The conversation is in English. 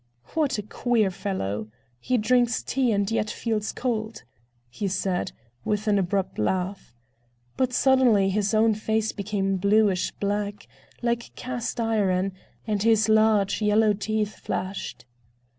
"What a queer fellow! He drinks tea, and yet feels cold," he said, with an abrupt laugh. But suddenly his own face became bluish black, like cast iron, and his large yellow teeth flashed.